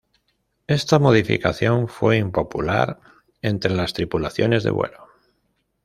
Esta modificación fue impopular entre las tripulaciones de vuelo.